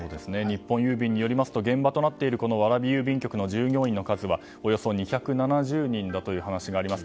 日本郵便によりますと現場となっている蕨郵便局の従業員の数はおよそ２７０人だという話があります。